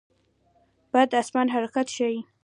باد د آسمان حرکت ښيي